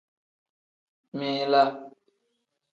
Min-laa.